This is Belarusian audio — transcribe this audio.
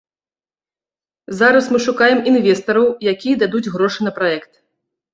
Зараз мы шукаем інвестараў, якія дадуць грошы на праект.